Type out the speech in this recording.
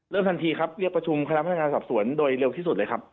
ทันทีครับเรียกประชุมคณะพนักงานสอบสวนโดยเร็วที่สุดเลยครับ